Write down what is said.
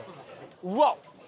うわっ！